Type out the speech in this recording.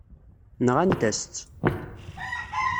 Nɣant-as-tt.